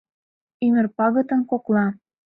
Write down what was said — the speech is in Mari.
Ӱмыр пагытын кокла